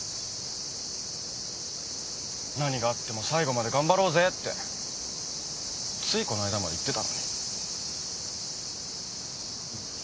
何があっても最後まで頑張ろうぜってついこの間まで言ってたのに。